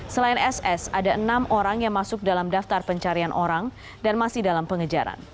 selain ss ada enam orang yang masuk dalam daftar pencarian orang dan masih dalam pengejaran